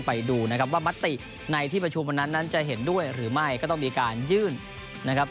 ไปดูนะครับว่ามติในที่ประชุมวันนั้นนั้นจะเห็นด้วยหรือไม่ก็ต้องมีการยื่นนะครับ